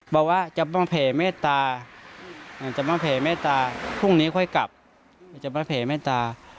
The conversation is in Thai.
บอกว่าจะต้องแผ่เมตตาจะมาแผ่เมตตาพรุ่งนี้ค่อยกลับมันจะมาแผ่เมตตา